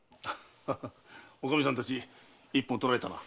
ハハッおかみさんたち一本取られたな。